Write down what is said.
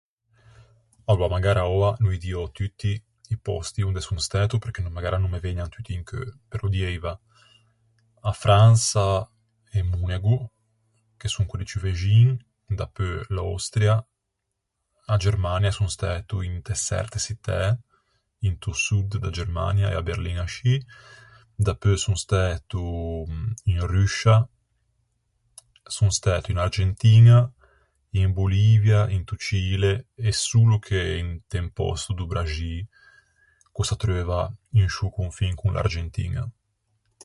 Aloa, magara oua no î diò tutti i pòsti onde son stæto perché magara no me vëgnan tutti in cheu, però dieiva a Fransa e Monego, che son quelli ciù vexin, dapeu l'Austria, a Germania, son stæto inte çerte çittæ, into Sud da Germania e à Berlin ascì, dapeu son stæto in Ruscia, son stæto in Argentiña, in Bolivia, into Cile e solo che inte un pòsto do Braxî ch'o s'attreuva in sciô confin con l'Argentiña.